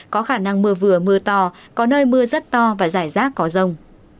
có khả năng mưa vừa mưa to có nơi mưa rất to và rải rác có rông